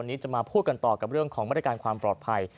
วันนี้จะมาพูดกันต่อกับเรื่องของมาตรการความปลอดภัย